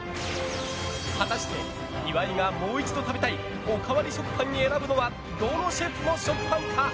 果たして岩井がもう一度食べたいおかわり食パンに選ぶのはどのシェフの食パンか。